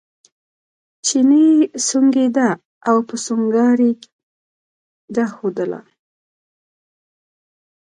چیني سونګېده او په سونګاري یې دا ښودله.